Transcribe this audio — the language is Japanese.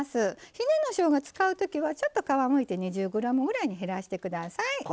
ひねのしょうが使う時はちょっと皮むいて２０ｇぐらいに減らして下さい。